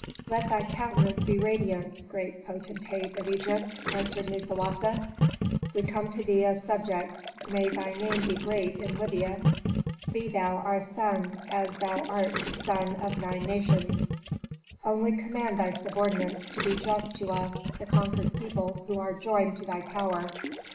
"Let thy countenance be radiant, great potentate of Egypt," answered Musawasa. "We come to thee as subjects, may thy name be great in Libya, be thou our sun, as thou art the sun of nine nations. Only command thy subordinates to be just to us the conquered people who are joined to thy power.